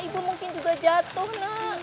ibu mungkin juga jatuh nak